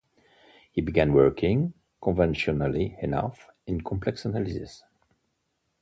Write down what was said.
He began working, conventionally enough, in complex analysis.